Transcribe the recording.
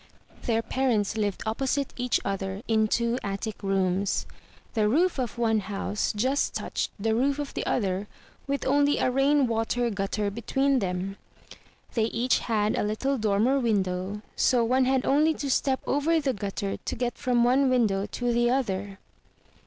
Their parents lived opposite each other in two attic rooms. The roof of one house just touched the roof of the other with only a rain water gutter between them. They each had a little dor mer window so one had only to step over the gutter to get from one window to the other.